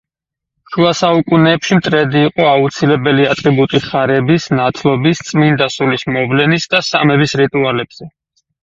შუა საუკუნეებში მტრედი იყო აუცილებელი ატრიბუტი ხარების, ნათლობის, წმინდა სულის მოვლენის და სამების რიტუალებზე.